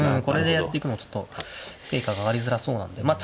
これでやっていくのちょっと成果が上がりづらそうなんで。